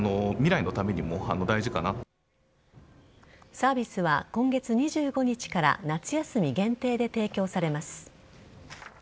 サービスは今月２５日から夏休み限定で提供されます。